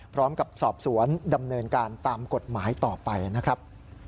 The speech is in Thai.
พร้อมกับสอบสวนดำเนินการตามกฎหมายต่อไปนะครับ